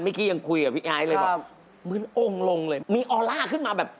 เมื่อกี้ยังคุยกับพี่ไอซ์เลยบอกเหมือนองค์ลงเลยมีออร่าขึ้นมาแบบ